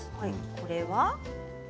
これは？